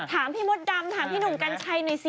ถามพี่มดดำถามพี่หนุ่มกัญชัยหน่อยสิ